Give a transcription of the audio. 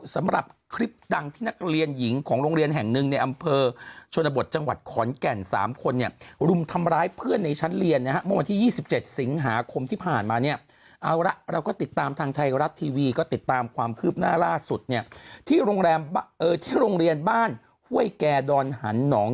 สำหรับคลิปดังที่นักเรียนหญิงของโรงเรียนแห่งหนึ่งในอำเภอชนบทจังหวัดขอนแก่น๓คนเนี่ยรุมทำร้ายเพื่อนในชั้นเรียนนะฮะเมื่อวันที่๒๗สิงหาคมที่ผ่านมาเนี่ยเอาละเราก็ติดตามทางไทยรัฐทีวีก็ติดตามความคืบหน้าล่าสุดเนี่ยที่โรงเรียนบ้านห้วยแก่ดอนหันหนอง